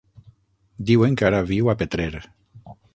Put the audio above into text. Diuen que ara viu a Petrer.